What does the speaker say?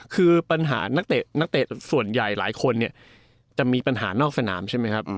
คือปัญหานักเตะนักเตะส่วนใหญ่หลายคนเนี่ยจะมีปัญหานอกสนามใช่ไหมครับ